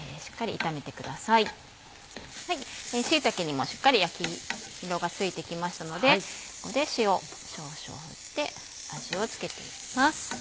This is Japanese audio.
椎茸にもしっかり焼き色がついてきましたのでここで塩少々入れて味を付けていきます。